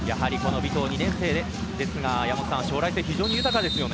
尾藤、２年生ですが将来性は、非常に豊かですね。